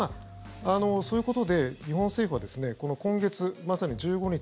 そういうことで、日本政府は今月、まさに１５日